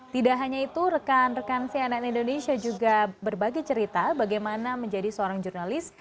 tidak hanya itu rekan rekan cnn indonesia juga berbagi cerita bagaimana menjadi seorang jurnalis